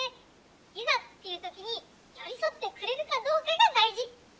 いざっていう時に寄り添ってくれるかどうかが大事！